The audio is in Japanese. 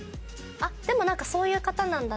あっでもなんかそういう方なんだなって。